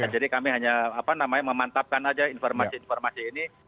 jadi kami hanya memantapkan aja informasi informasi ini